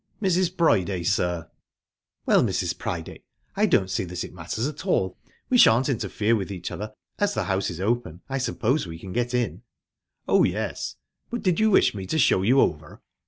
"Mrs. Priday, sir." "Well, Mrs. Priday, I don't see that it matters at all; we shan't interfere with each other. As the house is open, I suppose we can get in?" "Oh, yes but did you wish me to show you over?"